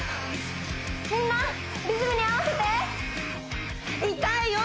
みんなリズムに合わせて痛いよ